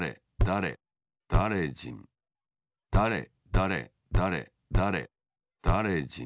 だれだれだれだれだれじん。